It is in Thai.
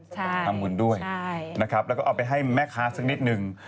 ใช่ทำบุญด้วยแล้วก็ออกไปให้แม่ค้าซักนิดนึง